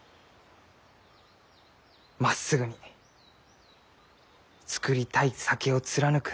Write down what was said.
まっすぐに造りたい酒を貫く。